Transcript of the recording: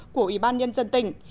của ủy ban nhân dân tỉnh